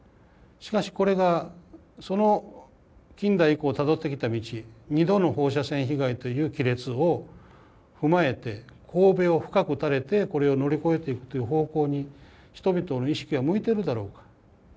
しかしこれが近代以降たどってきた道２度の放射線被害という亀裂を踏まえて頭を深く垂れてこれを乗り越えていくという方向に人々の意識は向いているだろうか。